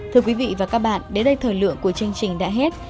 thưa quý vị và các bạn đến đây thời lượng của chương trình đã hết